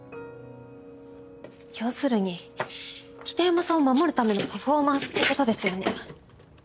要するに北山さんを守るためのパフォーマンスってことですよね。